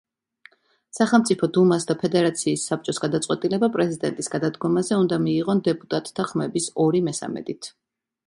სახელმწიფო დუმას და ფედერაციის საბჭოს გადაწყვეტილება პრეზიდენტის გადადგომაზე უნდა მიიღონ დეპუტატთა ხმების ორი მესამედით.